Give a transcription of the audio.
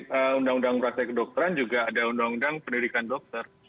di undang undang rasa kedokteran juga ada undang undang pendidikan dokter